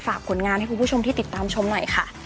ผลงานให้คุณผู้ชมที่ติดตามชมหน่อยค่ะ